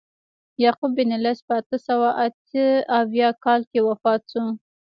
یعقوب بن لیث په اته سوه اته اویا کال کې وفات شو.